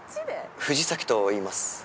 藤崎といいます。